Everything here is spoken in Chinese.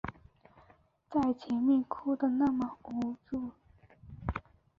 在面前哭的那么无助